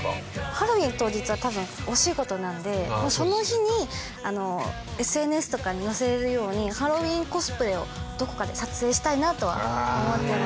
ハロウィーン当日は多分お仕事なんでその日にＳＮＳとかに載せれるようにハロウィーンコスプレをどこかで撮影したいなとは思ってます。